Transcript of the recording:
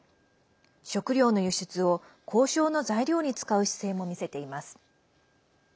食糧の輸出を交渉の材料に使う姿勢も見せています。